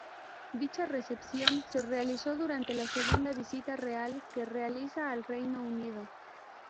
Dicha recepción se realizó durante la segunda visita real que realiza al Reino Unido.